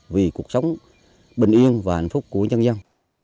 vì cuộc sống bình yên và hạnh phúc của nhân dân